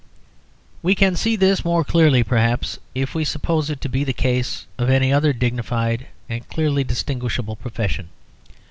We can see this more clearly, perhaps, if we suppose it to be the case of any other dignified and clearly distinguishable profession.